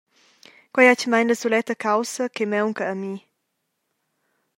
Quei ei atgnamein la suletta caussa che maunca a mi.